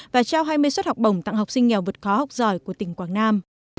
và trao hai mươi suất học bổng tặng học sinh nghèo vượt khó học giỏi của tỉnh quảng nam